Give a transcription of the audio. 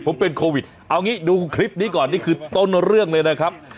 ผมเป็นโควิดเอางี้ดูคลิปนี้ก่อนนี่คือต้นเรื่องเลยนะครับ